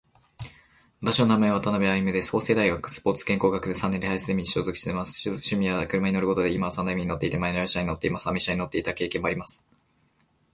私の名前は渡辺歩です。法政大学スポーツ健康学部三年で林ゼミに所属しています。趣味は車に乗ることで、今は三台目に乗っていて、マニュアル車に乗っています。アメ車に乗っていた経験もあります。